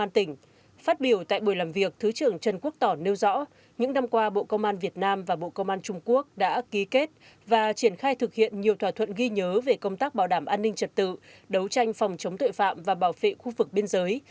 tân quốc tỏ nêu rõ những năm qua bộ công an việt nam và bộ công an trung quốc đã ký kết và triển khai thực hiện nhiều thỏa thuận ghi nhớ về công tác bảo đảm an ninh trật tự đấu tranh phòng chống tội phạm và bảo vệ khu vực biên giới